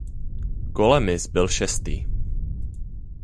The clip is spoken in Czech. Golemis byl šestý.